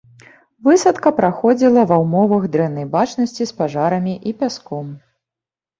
Высадка праходзіла ва ўмовах дрэннай бачнасці з пажарамі і пяском.